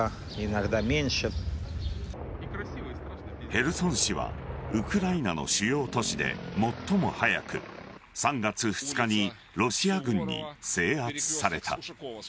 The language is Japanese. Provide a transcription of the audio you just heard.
ヘルソン市はウクライナの主要都市で最も早く３月２日にロシア軍に制圧された。